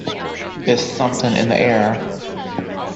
It's something in the air.